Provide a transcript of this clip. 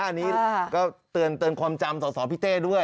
อันนี้ก็เตือนความจำส่อพี่เต้ด้วย